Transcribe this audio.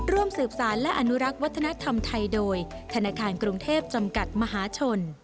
ร่วมสืบสารและอนุรักษ์วัฒนธรรมไทยโดยธนาคารกรุงเทพจำกัดมหาชน